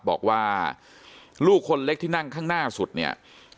บอกว่าลูกคนเล็กที่นั่งข้างหน้าสุดเนี่ย